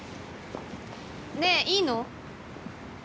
ねえいいの？